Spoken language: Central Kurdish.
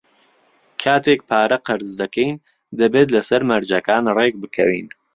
کاتێک پارە قەرز دەکەین، دەبێت لەسەر مەرجەکان ڕێکبکەوین.